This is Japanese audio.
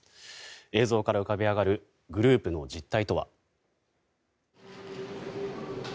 映像から浮かび上がるグループの実態とは。